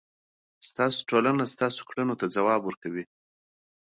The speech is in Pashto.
ستاسو ټولنه ستاسو کړنو ته ځواب ورکوي.